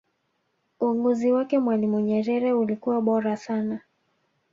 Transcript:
uongozi wake mwalimu nyerere ulikuwa bora sana